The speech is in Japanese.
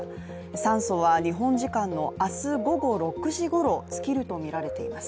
酸素は日本時間の明日午後６時ごろ尽きるとみられています。